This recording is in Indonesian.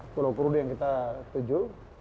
pulau perude yang kita tuju